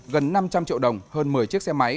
gần năm trăm linh triệu đồng hơn một mươi chiếc xe máy